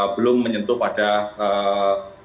belum menyentuh pada akun